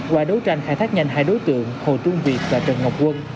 qua đấu tranh khai thác nhanh hai đối tượng hồ trung việt và trần ngọc quân